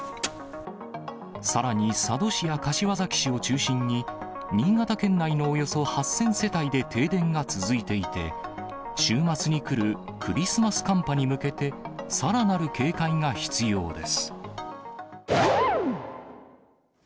さらに佐渡市や柏崎市を中心に、新潟県内のおよそ８０００世帯で停電が続いていて、週末に来るクリスマス寒波に向けて、さらなる警戒が必要です。